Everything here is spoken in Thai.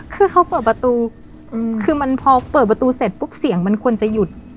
คือเขาเปิดประตูคือมันพอเปิดประตูเสร็จปุ๊บเสียงมันควรจะหยุด